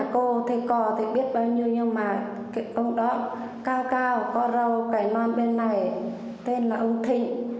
cô thầy có biết bao nhiêu nhưng mà ông đó cao cao có râu cải non bên này tên là ông thịnh